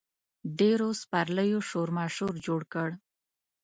ډېرو سپرلیو شورماشور جوړ کړ.